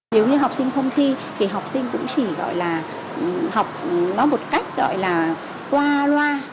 nếu như học sinh không thi thì học sinh cũng chỉ gọi là học nó một cách gọi là qua loa